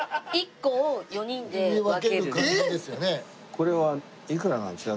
これはいくらなんですか？